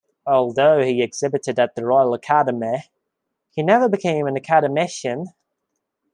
Although he exhibited at the Royal Academy, he never became an Academician.